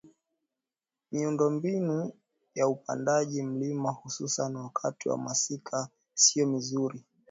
miundombinu ya upandaji mlima hususan wakati wa masika siyo mizuri